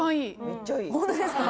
ホントですか？